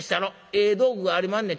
ええ道具がありまんねん。